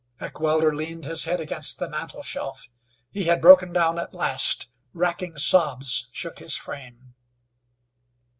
Heckewelder leaned his head against the mantle shelf. He had broken down at last. Racking sobs shook his frame.